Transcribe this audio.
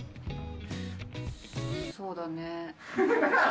そうだね。